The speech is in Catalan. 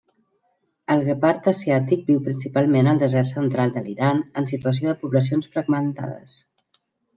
El guepard asiàtic viu principalment al desert central de l'Iran en situació de poblacions fragmentades.